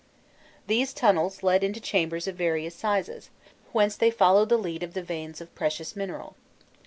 These tunnels led into chambers of various sizes, whence they followed the lead of the veins of precious mineral.